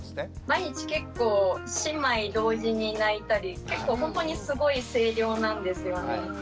毎日結構姉妹同時に泣いたり結構ほんとにすごい声量なんですよね。